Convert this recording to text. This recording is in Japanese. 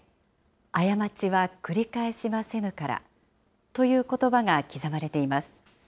過ちは繰り返しませぬから、ということばが刻まれています。